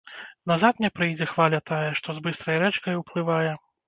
Назад ня прыйдзе хваля тая, што з быстрай рэчкай уплывае